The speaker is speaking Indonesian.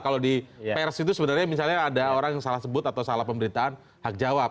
kalau di pers itu sebenarnya misalnya ada orang yang salah sebut atau salah pemberitaan hak jawab